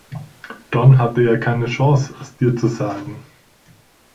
Don hatte ja keine Chance, es dir zu sagen.